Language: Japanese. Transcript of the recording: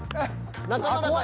仲間だから。